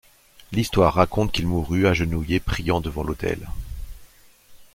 L'histoire raconte qu'il mourut agenouillé priant devant l'autel.